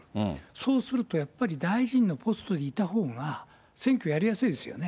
そうすると、やっぱり大臣のポストにいたほうが選挙やりやすいですよね。